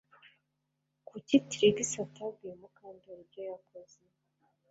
Kuki Trix atabwiye Mukandoli ibyo yakoze